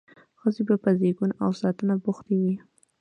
ښځې به په زیږون او ساتنه بوختې وې.